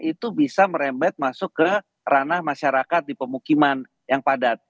itu bisa merembet masuk ke ranah masyarakat di pemukiman yang padat